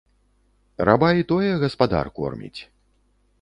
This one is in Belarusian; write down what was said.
Раба і тое гаспадар корміць.